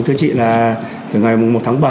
thưa chị từ ngày một tháng bảy